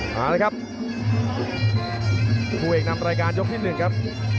มาแล้วครับผู้เอกนำรายการยกที่๑ครับ